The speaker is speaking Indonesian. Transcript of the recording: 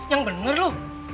yang bener lu